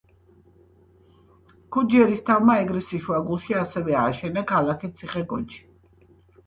ქუჯი ერისთავმა ეგრისის შუაგულში ასევე ააშენა ქალაქი ციხე-გოჯი.